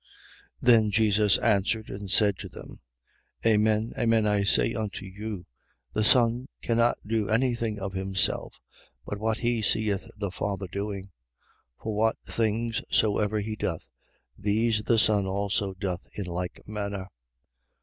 5:19. Then Jesus answered and said to them: Amen, amen, I say unto you, the Son cannot do any thing of himself, but what he seeth the Father doing: for what things soever he doth, these the Son also doth in like manner.